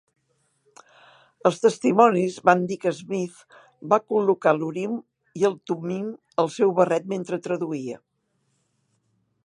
Els testimonis van dir que Smith va col·locar l'urim i el tummim al seu barret mentre traduïa.